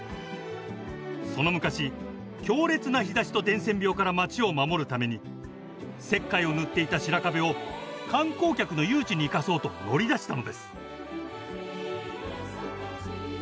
その昔強烈な日ざしと伝染病から街を守るために石灰を塗っていた白壁を観光客の誘致に生かそうと乗り出したのです。